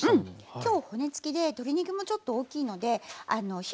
今日骨付きで鶏肉もちょっと大きいので火が入りにくいですよね。